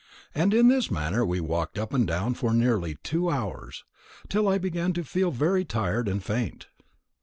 And in this manner we walked up and down for nearly two hours, till I began to feel very tired and faint.